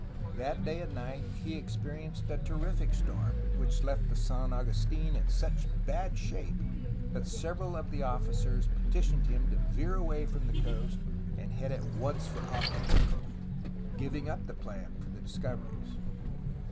That day and night he experienced a terrific storm, which left the San Agustin in such bad shape that several of the officers petitioned him to veer away from the coast and head at once for Acapuico, giving up the plan for the discoveries.